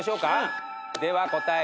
では答え。